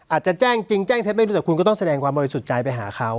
อาจจะแจ้งจริงแจ้งเท็จไม่รู้แต่คุณก็ต้องแสดงความบริสุทธิ์ใจไปหาเขา